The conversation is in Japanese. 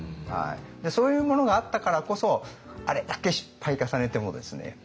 そういうものがあったからこそあれだけ失敗重ねてもですね